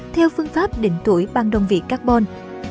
theo phương pháp đỉnh tuổi ban đông vị carbon